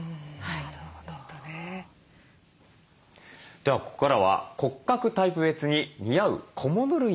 ではここからは骨格タイプ別に似合う小物類について見てまいります。